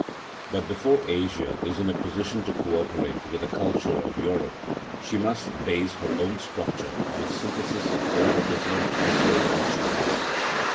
But before Asia is in a position to co operate with the culture of Europe, she must base her own structure on a synthesis of all the different cultures which she has.